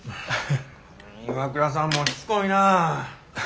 岩倉さんもしつこいなぁ。